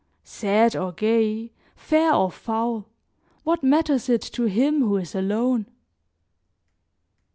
Sad or gay, fair or foul, what matters it to him who is alone?